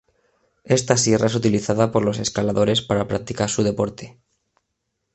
Esta sierra es utilizada por los escaladores para practicar su deporte.